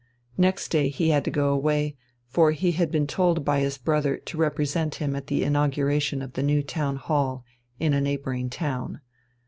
Next day he had to go away, for he had been told by his brother to represent him at the inauguration of the new Town Hall in a neighbouring town.